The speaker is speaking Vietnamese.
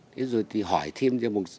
thế rồi thì hỏi thêm